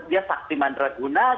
dia saktiman draguna